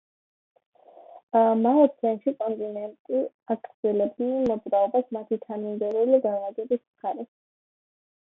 მიოცენში კონტინენტები აგრძელებდნენ მოძრაობას მათი თანამედროვე განლაგების მხარეს.